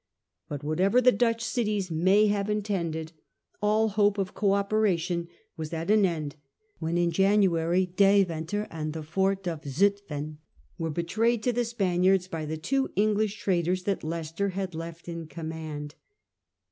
But whatever the Dutch cities may have intended, all hope of co operation was at an end when, in January, Deventer and the fort of Zutphen were betrayed to the Spaniards by the two English traitors that Leicester had left in command.